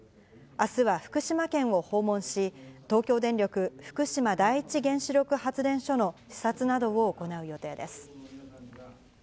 あすは福島県を訪問し、東京電力福島第一原子力発電所の視察などを行う予定です。